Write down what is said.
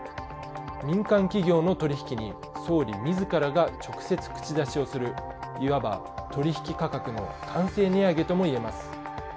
民間企業の取り引きに総理自らが直接口出しをする、いわば取引価格の官製値上げともいえます。